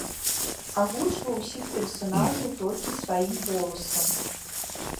Агучваў усіх персанажаў толькі сваім голасам.